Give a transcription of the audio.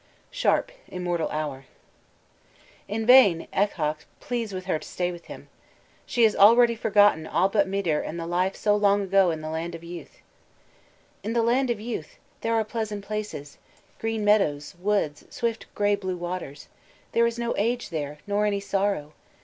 SHARP: Immortal Hour. In vain Eochaidh pleads with her to stay with him. She has already forgotten all but Midir and the life so long ago in the Land of Youth. "In the Land of Youth There are pleasant places; Green meadows, woods, Swift grey blue waters. "There is no age there, Nor any sorrow.